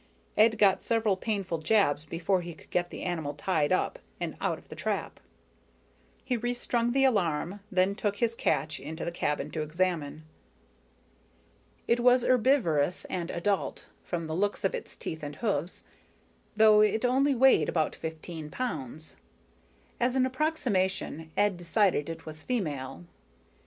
Ed got several painful jabs before he got the animal tied up and out of the trap. He restrung the alarm, then took his catch into the cabin to examine. It was herbivorous and adult, from the looks of its teeth and hoofs, though it only weighed about fifteen pounds. As an approximation, Ed decided it was female.